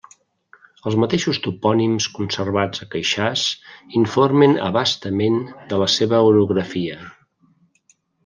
Els mateixos topònims conservats a Queixàs informen a bastament de la seva orografia.